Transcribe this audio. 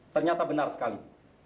ternyata benar sekali